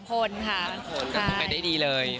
ก็ทำให้ได้ดีเลย